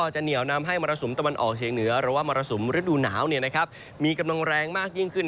จะเหนียวนำให้มรสุมตะวันออกเฉียงเหนือหรือว่ามรสุมฤดูหนาวมีกำลังแรงมากยิ่งขึ้น